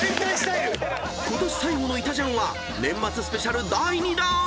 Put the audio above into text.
［ことし最後の『いたジャン』は年末スペシャル第２弾！］